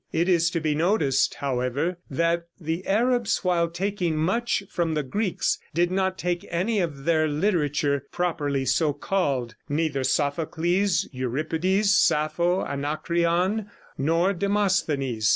It is to be noticed, however, that the Arabs, while taking much from the Greeks, did not take any of their literature, properly so called neither Sophocles, Euripides, Sappho, Anacreon, nor Demosthenes.